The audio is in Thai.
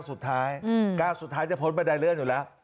สุดท้ายก้าวสุดท้ายจะพ้นบันไดเลื่อนอยู่แล้ว